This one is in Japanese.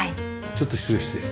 ちょっと失礼して。